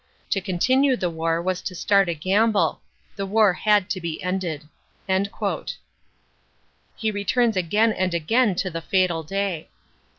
To continue the war was to start a gamble. The war had to be ended." He returns again and again to the fatal day.